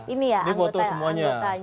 ini ya anggota anggotanya